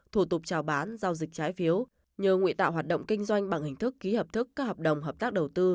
thủ tục trào bán giao dịch trái phiếu nhờ nguyện tạo hoạt động kinh doanh bằng hình thức ký hợp thức các hợp đồng hợp tác đầu tư